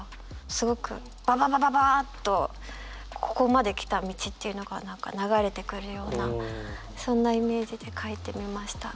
すごくバババババッとここまで来た道っていうのが流れてくるようなそんなイメージで書いてみました。